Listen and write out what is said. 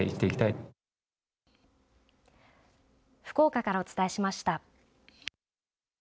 福岡からお伝えしました。